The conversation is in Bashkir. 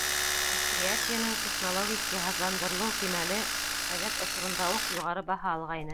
Предприятиеның технологик йыһазландырылыу кимәле совет осоронда уҡ юғары баһа алғайны.